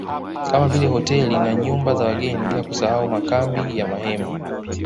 Kama vile hoteli na nyumba za wageni bila kusahau makambi ya mahema